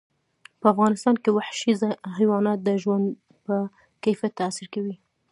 په افغانستان کې وحشي حیوانات د ژوند په کیفیت تاثیر کوي.